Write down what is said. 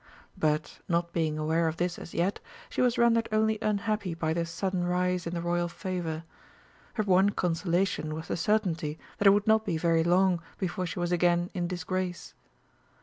But, not being aware of this as yet, she was rendered only unhappy by this sudden rise in the Royal favour. Her one consolation was the certainty that it would not be very long before she was again in disgrace.